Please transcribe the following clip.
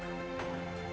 dia juga menangis